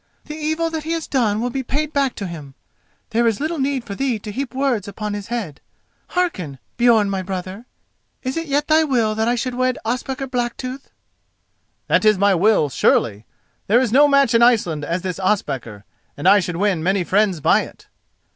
"The evil that he has done will be paid back to him; there is little need for thee to heap words upon his head. Hearken, Björn my brother: is it yet thy will that I should wed Ospakar Blacktooth?" "That is my will, surely. There is no match in Iceland as this Ospakar, and I should win many friends by it."